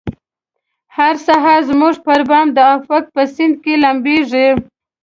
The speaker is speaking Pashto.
هر سهار زموږ پربام د افق په سیند کې لمبیږې